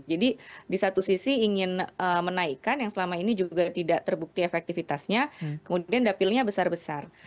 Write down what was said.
jadi di satu sisi ingin menaikkan yang selama ini juga tidak terbukti efektifitasnya kemudian dapilnya besar besar